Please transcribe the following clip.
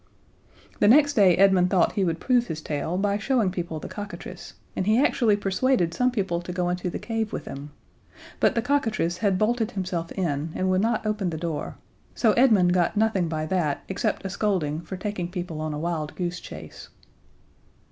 The next day Edmund thought he would prove his tale by showing people the cockatrice, and he actually persuaded some people to go into the cave with him; but the cockatrice had bolted himself in and would not open the door so Edmund got nothing by that except a scolding for taking people on a wild goose chase.